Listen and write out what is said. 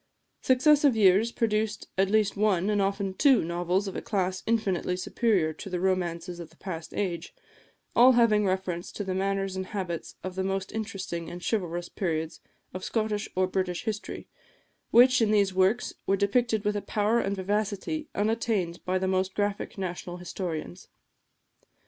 Successive years produced at least one, and often two, novels of a class infinitely superior to the romances of the past age, all having reference to the manners and habits of the most interesting and chivalrous periods of Scottish or British history, which, in these works, were depicted with a power and vivacity unattained by the most graphic national historians.